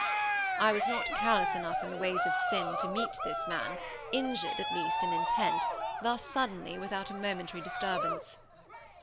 I was not callous enough in the ways of sin to meet this man, injured at least in intent, thus suddenly, without a momentary disturbance.